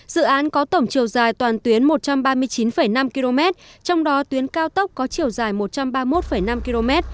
dự án có tổng chiều dài toàn tuyến một trăm ba mươi chín năm km trong đó tuyến cao tốc có chiều dài một trăm ba mươi một năm km